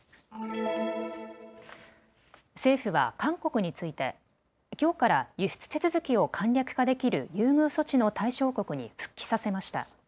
政府は韓国についてきょうから輸出手続きを簡略化できる優遇措置の対象国に復帰させました。